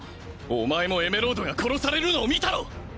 お前もエメロードが殺されるのを見たろ！